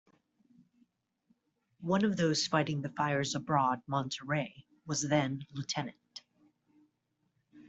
One of those fighting the fires aboard "Monterey" was then-Lt.